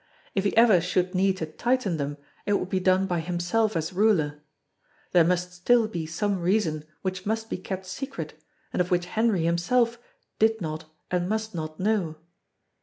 If he ever should need to tighten them it would be done by himself as ruler. There must still be some reason which must be kept secret and of which Henry himself did not and must not know.